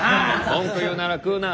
文句言うなら食うな。